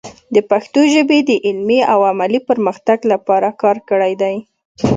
د پښتو ژبې د علمي او عملي پرمختګ لپاره کار کړی دی.